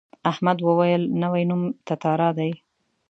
احمد وویل نوی نوم تتارا دی.